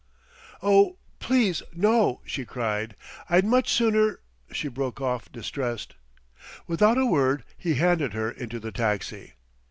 "Oh, please no," she cried, "I'd much sooner " She broke off distressed. Without a word he handed her into the taxi.